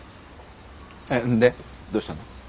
でどうしたの？